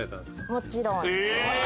もちろん。